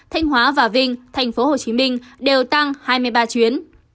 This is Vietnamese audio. thanh hóa và vinh tp hcm đều tăng hai mươi ba chuyến